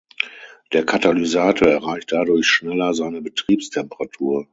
Der Katalysator erreicht dadurch schneller seine Betriebstemperatur.